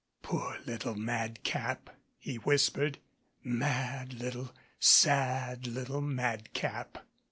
"Poor little madcap," he whispered ; "mad little sad little madcap."